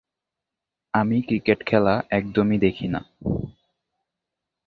আমি ক্রিকেট খেলা একদমই দেখিনা।